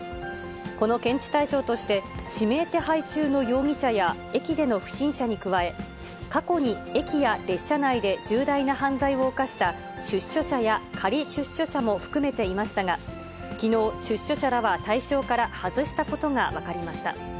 この検知対象として、指名手配中の容疑者や、駅での不審者に加え、過去に駅や列車内で重大な犯罪を犯した出所者や仮出所者も含めていましたが、きのう、出所者らは対象から外したことが分かりました。